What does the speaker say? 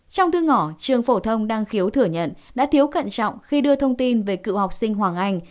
trong thư ngỏ trường phổ thông đăng khiếu thừa nhận đã thiếu cẩn trọng khi đưa thông tin về cựu học sinh hoàng anh